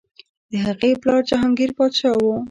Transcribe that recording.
د هغه پلار جهانګیر پادشاه و.